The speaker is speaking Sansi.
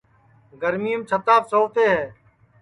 گرمِیم چھِتاپ سووتے ہے